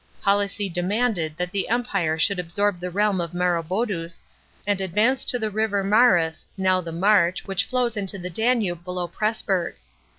Policy demanded that the Empire should absorb the realm of Maroboduus, and advance to the river Marus (now the March, which flows into the Danube below Pressburg).